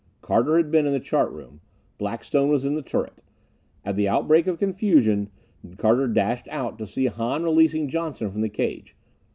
Carter had been in the chart room. Blackstone was in the turret. At the outbreak of confusion, Carter dashed out to see Hahn releasing Johnson from the cage.